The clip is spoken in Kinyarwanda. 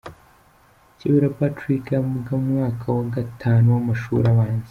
Cyubahiro Patrick yiga mu mwaka wa Gatanu w’amashuri abanza.